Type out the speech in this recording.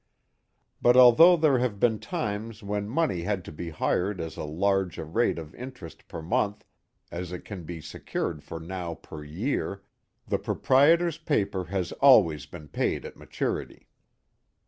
But although there have beco times when money had to be hired at as large a rate of interest per month as it can be secured for now per year, the pro prietors' paper has always been paid at maturity.